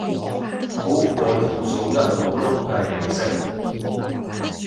好過條數一路碌計利息